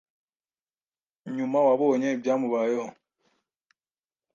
nyuma wabonye ibyamubayeho,